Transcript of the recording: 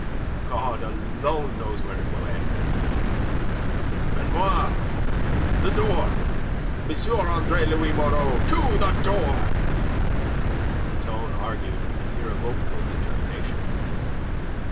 God alone knows where it will end. "Benoit, the door. M. Andre Louis Moreau to the door!" The tone argued an irrevocable determination.